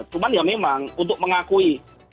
cuman ya memang untuk mengakui